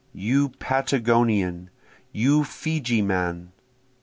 you Patagonian! you Feejeeman!